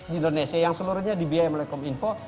di indonesia yang seluruhnya dibiayai oleh kominfo